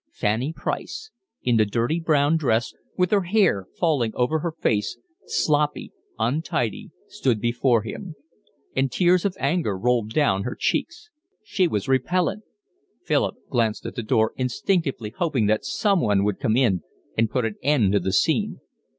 Fanny Price, in the dirty brown dress, with her hair falling over her face, sloppy, untidy, stood before him; and tears of anger rolled down her cheeks. She was repellent. Philip glanced at the door, instinctively hoping that someone would come in and put an end to the scene.